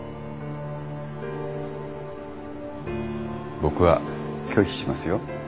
僕は拒否しますよ。